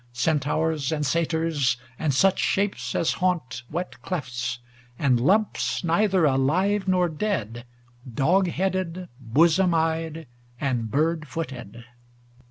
Centaurs and Satyrs, and such shapes as haunt Wet clefts, and lumps neither alive nor dead. Dog headed, bosom eyed, and bird footed.